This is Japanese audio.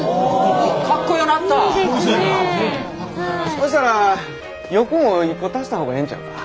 そしたら翼も１個足した方がええんちゃうか。